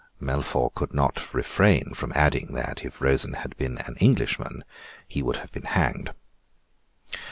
Melfort could not refrain from adding that, if Rosen had been an Englishman, he would have been hanged.